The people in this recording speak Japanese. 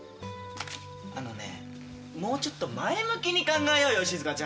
あのねもうちょっと前向きに考えようよ石塚ちゃん。